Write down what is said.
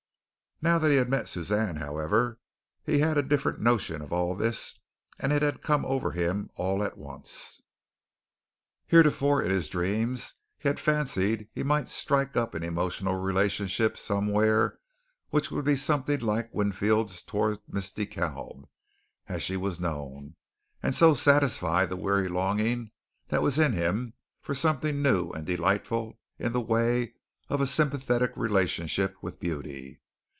Now that he had met Suzanne, however, he had a different notion of all this, and it had come over him all at once. Heretofore in his dreams, he had fancied he might strike up an emotional relationship somewhere which would be something like Winfield's towards Miss De Kalb, as she was known, and so satisfy the weary longing that was in him for something new and delightful in the way of a sympathetic relationship with beauty.